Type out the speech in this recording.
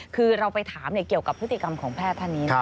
คือเราไปถามเกี่ยวกับพฤติกรรมของแพทย์ท่านนี้นะ